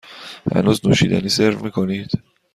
هنوز نوشیدنی سرو می کنید؟